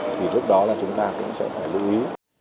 thì lúc đó là chúng ta cũng sẽ phải lưu ý